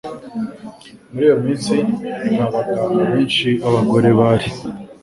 Muri iyo minsi nta baganga benshi b'abagore bari